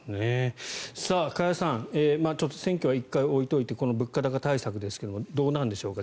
加谷さん、ちょっと選挙は１回置いておいてこの物価高対策ですがどうなんでしょうか